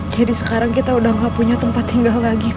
jadi sekarang kita udah gak punya tempat tinggal lagi pak